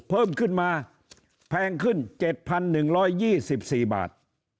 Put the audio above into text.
เพิ่มขึ้นมาแพงขึ้น๗๑๒๔บาท